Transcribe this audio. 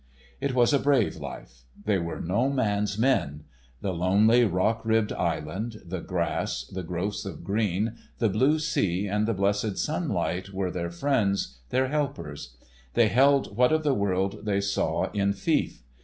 It was a brave life. They were no man's men. The lonely, rock ribbed island, the grass, the growths of green, the blue sea, and the blessed sunlight were their friends, their helpers; they held what of the world they saw in fief.